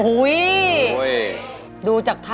โอ้โหมงดูจากครับ